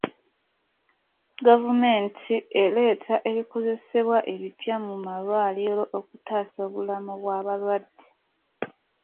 Gavumenti ereeta ebikozesebwa ebipya mu malwaliro okutaasa obulamu bw'abalwadde.